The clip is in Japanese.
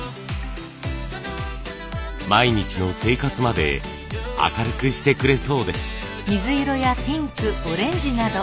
毎日の生活まで明るくしてくれそうです。